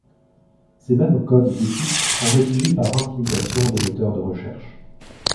Ces mêmes codes d'éthique sont rédigés par intimidation des moteurs de recherche.